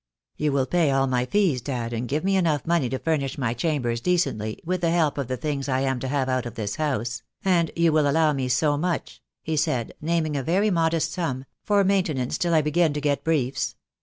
"You will pay all my fees, Dad, and give me enough money to furnish my chambers decently, with the help of the things I am to have out of this house, and you will allow me so much," he said, naming a very modest sum, "for maintenance till I begin to get briefs.